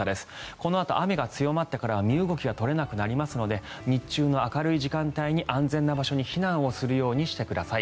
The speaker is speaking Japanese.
このあと雨が強まってからは身動きが取れなくなりますので日中の明るい時間帯に安全な場所に避難するようにしてください。